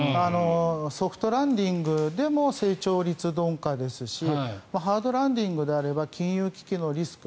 ソフトランディングでも成長率鈍化ですしハードランディングであれば金融危機のリスク。